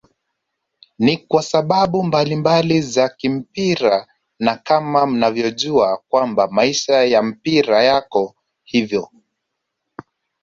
Ni kwasababu mbalimbali za kimpira na kama mnavyojua kwamba maisha ya mpira yako hivyo